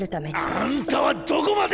あんたはどこまで。